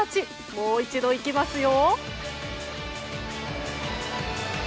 もう一度、いきますよ！